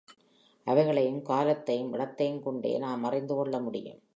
அவைகளையும் காலத்தையும் இடத்தையும் கொண்டே நாம் அறிந்துகொள்ள முடியும்.